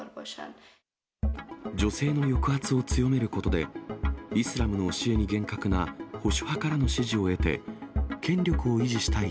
女性の抑圧を強めることで、イスラムの教えに厳格な保守派からの支持を得て権力を維持したい